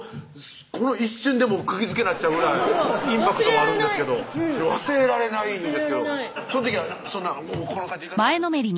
この一瞬でくぎづけなっちゃうぐらいインパクトがあるんですけど忘れられないんですけどそん時はこんな感じでいかなかったんですか？